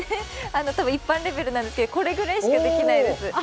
多分一般レベルなんですけど、これぐらいしかできないです。